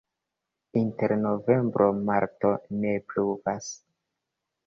Inter novembro-marto ne pluvas.